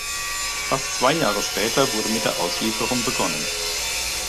Fast zwei Jahre später wurde mit der Auslieferung begonnen.